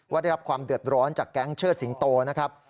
ได้รับความเดือดร้อนจากแก๊งเชิดสิงโตนะครับ